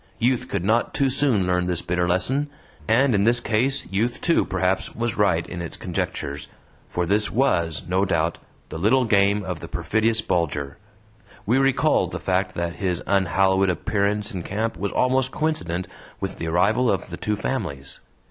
Youth could not too soon learn this bitter lesson. And in this case youth too, perhaps, was right in its conjectures, for this WAS, no doubt, the little game of the perfidious Bulger. We recalled the fact that his unhallowed appearance in camp was almost coincident with the arrival of the two families.